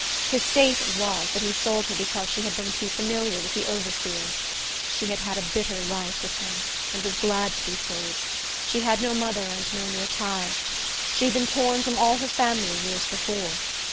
His statement was, that he sold her because she had been too familiar with the overseer. She had had a bitter life with him, and was glad to be sold. She had no mother, and no near ties. She had been torn from all her family years before.